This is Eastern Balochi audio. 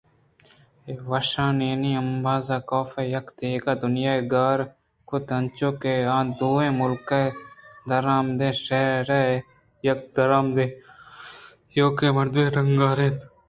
اے وشیانی امبازاں کاف یک دگہ دنیائےءَگار کُت انچوش کہ آ دوئیں ملکے ءِ درآمدیں شہرے ءَ یک درآمدیں ابیتکءُایوکیں مردمے ءِ رنگ ءَگار اِنت